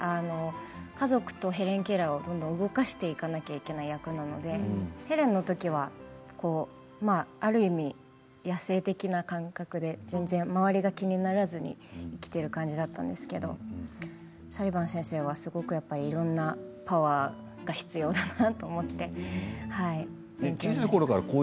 家族とヘレン・ケラーをどんどん動かしていかなければいけない役なのでヘレンのときはある意味、野性的な感覚で全然、周りが気にならずに生きている感じだったんですけれどサリヴァン先生はいろんなパワーが必要だなと思って。